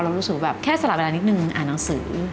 รู้สึกแบบแค่สละเวลานิดนึงอ่านหนังสือ